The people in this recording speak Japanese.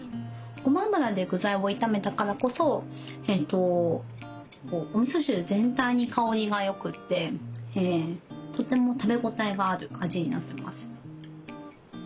ごま油で具材を炒めたからこそおみそ汁全体に香りがよくてとても食べ応えがある味になってます。